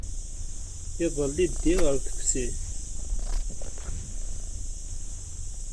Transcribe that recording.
Iḍelli ddiɣ ɣer teftist.